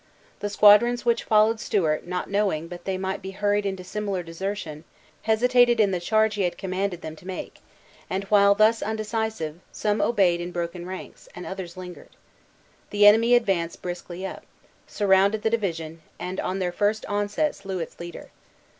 The squadrons which followed Stewart not knowing but they might be hurried into similar desertion, hesitated in the charge he had commanded them to make; and, while thus undecisive, some obeyed in broken ranks; and others lingered. The enemy advanced briskly up, surrounded the division, and on their first onset slew its leader.